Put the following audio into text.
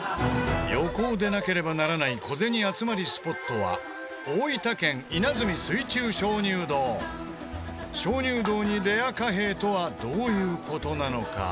横尾でなければならない小銭集まりスポットは大分県鍾乳洞にレア貨幣とはどういう事なのか？